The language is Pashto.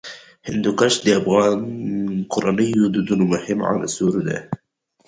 هندوکش د افغان کورنیو د دودونو مهم عنصر دی.